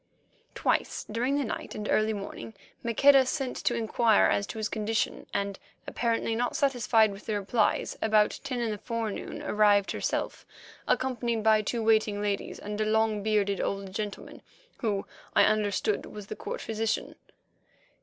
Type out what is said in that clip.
Twice during the night and early morning Maqueda sent to inquire as to his condition, and, apparently not satisfied with the replies, about ten in the forenoon arrived herself, accompanied by two waiting ladies and a long bearded old gentleman who, I understood, was the court physician.